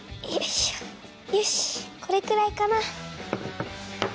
よしこれくらいかな。